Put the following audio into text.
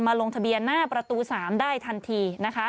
มาลงทะเบียนหน้าประตู๓ได้ทันที